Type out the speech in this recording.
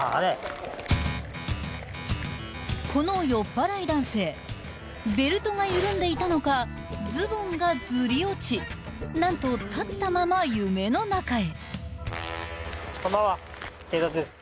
［この酔っぱらい男性ベルトが緩んでいたのかズボンがずり落ち何と立ったまま夢の中へ］